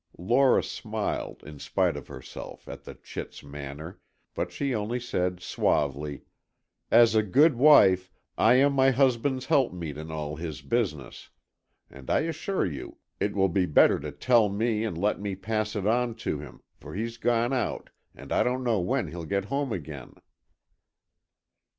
Lora smiled, in spite of herself, at the chit's manner, but she only said, suavely: "As a good wife, I am my husband's helpmeet in all his business. And I assure you it will be better to tell me and let me pass it on to him, for he's gone out, and I don't know when he'll get home again."